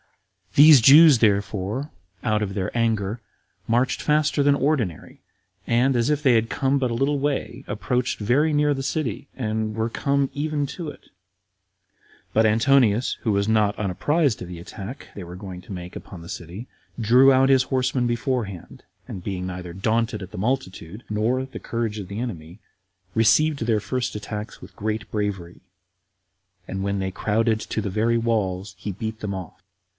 2. These Jews, therefore, out of their anger, marched faster than ordinary, and, as if they had come but a little way, approached very near the city, and were come even to it; but Antonius, who was not unapprized of the attack they were going to make upon the city, drew out his horsemen beforehand, and being neither daunted at the multitude, nor at the courage of the enemy, received their first attacks with great bravery; and when they crowded to the very walls, he beat them off.